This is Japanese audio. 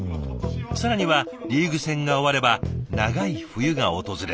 更にはリーグ戦が終われば長い冬が訪れる。